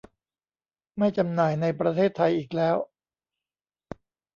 ไม่จำหน่ายในประเทศไทยอีกแล้ว